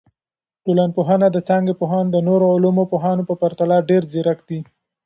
ټولنپوهنه د څانګي پوهان د نورو علومو د پوهانو په پرتله ډیر ځیرک دي.